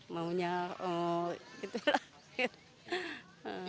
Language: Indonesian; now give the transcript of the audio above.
maunya gitu lah